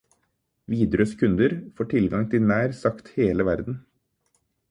Widerøes kunder får tilgang til nær sagt hele verden.